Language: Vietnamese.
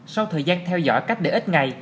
sau thời gian theo dõi cách để ít ngày